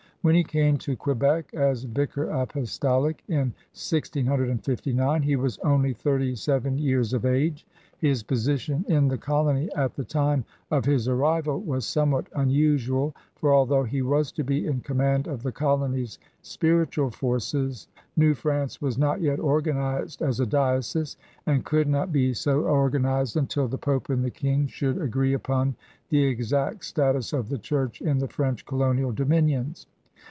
When he came to Quebec as Vicar Apostolic in 1659, he was only thirty seven years of age. His position in the colony at the time of his arrival was somewhat unusual, for although he was to be in command <^ the colony's spiritual forces, New France was not yet organized as a diocese and could not be so organized until the Pope and the King should agree upon the exact status of the Church in the French colonial dominions.